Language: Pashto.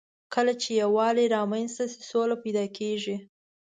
کله چې یووالی رامنځ ته شي، سوله پيدا کېږي.